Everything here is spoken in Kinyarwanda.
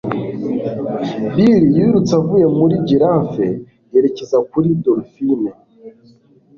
Bill yirutse avuye muri giraffe yerekeza kuri dolphine.